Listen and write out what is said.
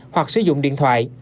hoặc sử dụng điện thoại